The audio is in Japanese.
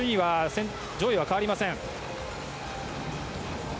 上位は変わりません。